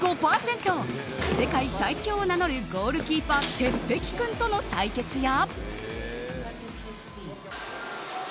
世界最強を名乗るゴールキーパー鉄壁君との対決や。